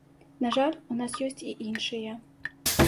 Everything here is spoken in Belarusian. На жаль, у нас ёсць і іншыя.